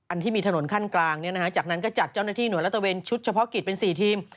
ที่มีถนนขั้นกลางจากนั้นก็จัดเจ้าหน้าที่หน่วยรัฐเวนชุดเฉพาะกิจเป็น๔ทีม